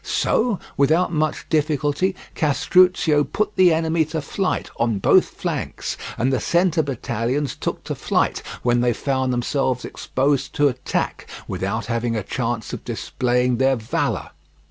So, without much difficulty, Castruccio put the enemy to flight on both flanks, and the centre battalions took to flight when they found themselves exposed to attack, without having a chance of displaying their valour.